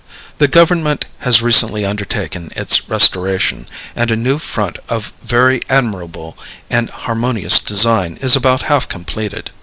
The government has recently undertaken its restoration, and a new front of very admirable and harmonious design is about half completed.